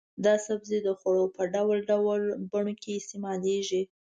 دا سبزی د خوړو په ډول ډول بڼو کې استعمالېږي.